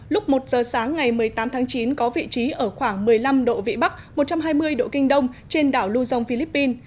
lúc một giờ sáng ngày một mươi tám tháng chín có vị trí ở khoảng một mươi năm độ vĩ bắc một trăm hai mươi độ kinh đông trên đảo lưu dông philippines